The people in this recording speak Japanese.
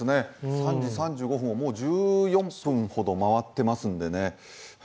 ３時３５分をもう１４分ほど回ってますんでね。